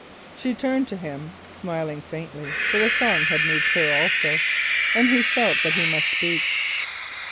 She turned to him, smiling faintly, for the song had moved her also, and he felt that he must speak.